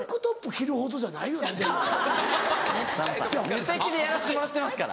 無敵でやらしてもらってますから。